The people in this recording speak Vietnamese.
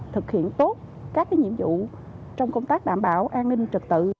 thực hiện tốt các nhiệm vụ trong công tác đảm bảo an ninh trật tự